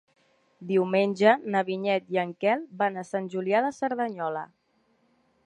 Diumenge na Vinyet i en Quel van a Sant Julià de Cerdanyola.